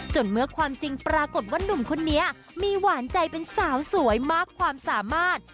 เมื่อความจริงปรากฏว่านุ่มคนนี้มีหวานใจเป็นสาวสวยมากความสามารถ